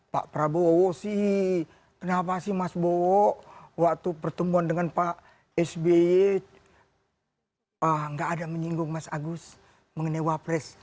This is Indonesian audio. pak prabowo sih kenapa sih mas bowo waktu pertemuan dengan pak sby nggak ada menyinggung mas agus mengenai wapres